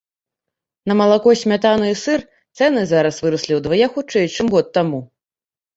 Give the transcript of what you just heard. На малако, смятану і сыр цэны зараз выраслі ўдвая хутчэй, чым год таму.